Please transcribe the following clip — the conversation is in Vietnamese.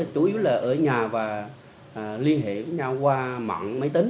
chủ yếu là ở nhà và liên hệ với nhau qua mạng máy tính